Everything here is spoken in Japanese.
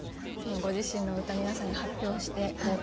ご自身の歌皆さんに発表していかがですか？